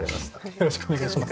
よろしくお願いします。